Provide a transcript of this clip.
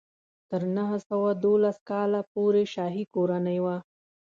تر نهه سوه دولس کال پورې شاهي کورنۍ وه.